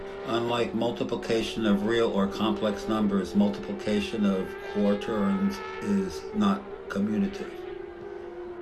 Unlike multiplication of real or complex numbers, multiplication of quaternions is not commutative.